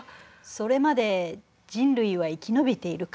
それまで人類は生き延びているかしらね？